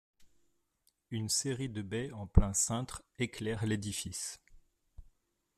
Une série de baies en plein cintre éclairent l'édifice.